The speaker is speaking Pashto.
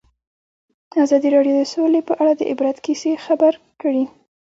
ازادي راډیو د سوله په اړه د عبرت کیسې خبر کړي.